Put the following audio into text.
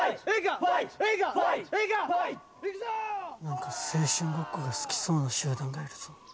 なんか青春ごっこが好きそうな集団がいるぞ。